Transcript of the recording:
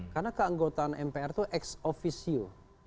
karena keanggotaan mpr itu ex officio